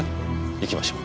行きましょう。